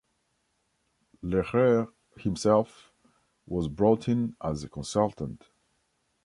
Lehrer himself was brought in as a consultant.